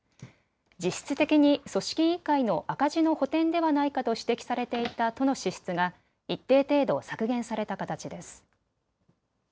実質的に組織委員会の赤字の補填ではないかと指摘されていた都の支出が一定程度、削減された形です。